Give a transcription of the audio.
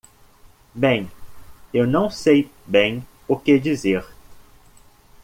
Bem, eu não sei bem o que dizer.